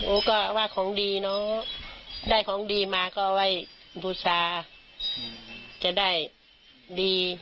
โอ๊ยก็ว่าของดีเนอะได้ของดีมาก็ว่าอุปสรรค์จะได้ดี